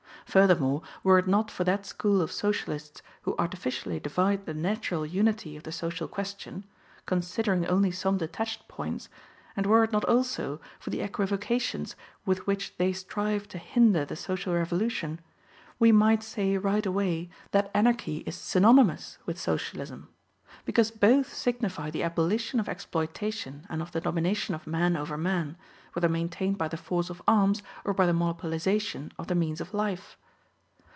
Furthermore, were it not for that school of Socialists who artificially divide the natural unity of the social question, considering only some detached points, and were it not also for the equivocations with which they strive to hinder the social revolution, we might say right away that Anarchy is synonymous with Socialism. Because both signify the abolition of exploitation and of the domination of man over man, whether maintained by the force of arms or by the monopolization of the means of life.